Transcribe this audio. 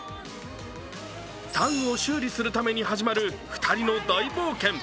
タングを修理するために始まる２人の大冒険。